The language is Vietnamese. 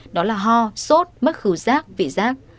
đó là ho sốt mất khử giác vị giác